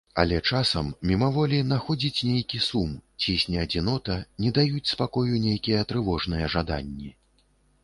Але часам, мімаволі, находзіць нейкі сум, цісне адзінота, не даюць спакою нейкія трывожныя жаданні.